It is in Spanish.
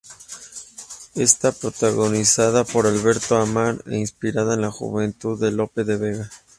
Está protagonizado por Alberto Ammann e inspirado en la juventud de Lope de Vega.